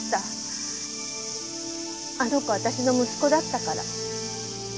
あの子私の息子だったから。